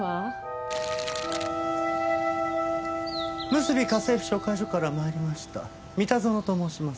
むすび家政婦紹介所から参りました三田園と申します。